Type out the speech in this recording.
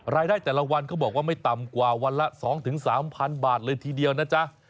รายได้แต่ละวันเขาบอกว่าไม่ต่ำกว่าวันละ๒๓๐๐บาทเลยทีเดียวนะจ๊ะ